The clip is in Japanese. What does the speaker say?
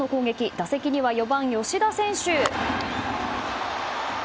打席には４番、吉田選手。